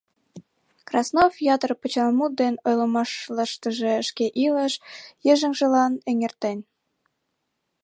Краснов ятыр почеламут ден ойлымашлаштыже шке илыш йыжыҥжылан эҥертен.